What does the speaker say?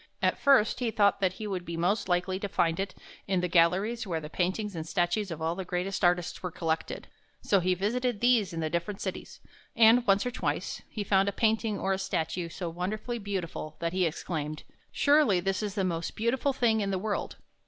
At first he thought that he would be most likely to find it in the galleries where the paintings and statues of all the greatest artists were collected. So he visited these in the different cities, and once or twice he found a painting or a statue so wonderfully beautiful that he exclaimed: " Surely this is the most beautiful thing in the world!